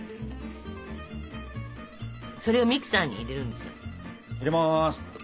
それをミキサーに入れるんですよ。入れます。